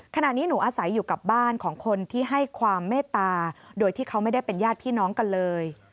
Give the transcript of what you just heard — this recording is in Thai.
ขณะนี้หนูอาศัยอยู่กับบ้านของคนที่ให้ความเมตตาโดยที่เขาไม่ได้เป็นญาติพี่น้องกันเลย